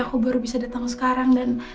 aku baru bisa datang sekarang dan